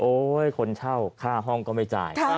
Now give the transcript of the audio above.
คนเช่าค่าห้องก็ไม่จ่าย